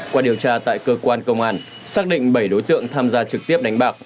qua điều tra tại cơ quan công an xác định bảy đối tượng tham gia trực tiếp đánh bạc